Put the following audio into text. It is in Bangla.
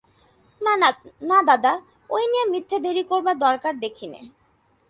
না দাদা, ঐ নিয়ে মিথ্যে দেরি করবার দরকার দেখি নে।